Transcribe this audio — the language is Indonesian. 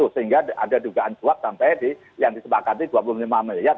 sehingga ada dugaan suap sampai yang disepakati dua puluh lima miliar